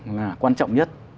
là quan trọng nhất